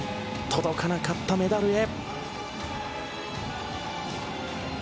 届かなかったメダルへ。